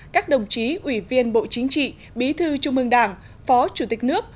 các đồng chí ủy viên bộ chính trị bí thư trung ương đảng phó chủ tịch nước